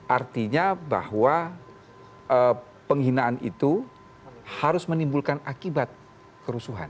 artinya bahwa penghinaan itu harus menimbulkan akibat kerusuhan